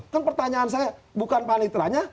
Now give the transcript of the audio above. kan pertanyaan saya bukan panitera nya